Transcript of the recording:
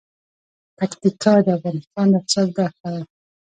پکتیکا د افغانستان د اقتصاد برخه ده.